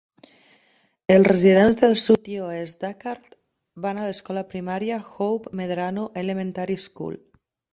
Els residents del sud i oest d'Akard van a l'escola primària Hope Medrano Elementary School.